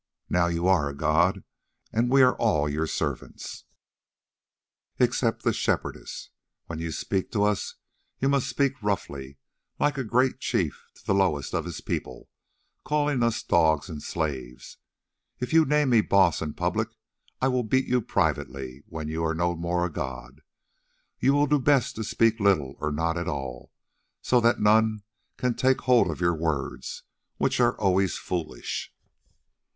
Now you are a god, and we are all your servants, except the Shepherdess. When you speak to us you must speak roughly, like a great chief to the lowest of his people, calling us dogs and slaves. If you name me 'Baas' in public, I will beat you privately when you are no more a god. You will do best to speak little or not at all, so that none can take hold of your words, which are always foolish."